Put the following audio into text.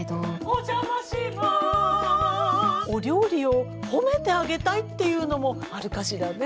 お邪魔しますお料理を褒めてあげたいっていうのもあるかしらね。